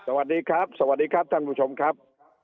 สวัสดีครับสวัสดีครับท่านผู้ชมครับ